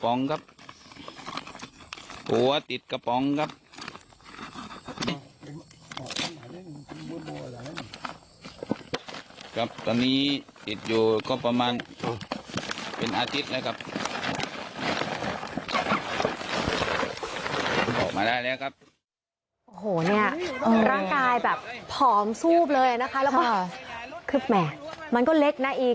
โอ้โหเนี่ยร่างกายแบบผอมซูบเลยนะคะแล้วก็คือแหม่มันก็เล็กนะอีก